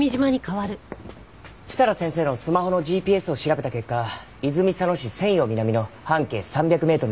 設楽先生のスマホのＧＰＳを調べた結果泉佐野市泉陽南の半径３００メートルに絞れました。